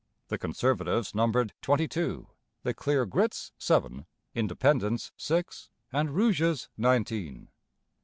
The Conservatives numbered twenty two, the Clear Grits seven, Independents six, and Rouges nineteen.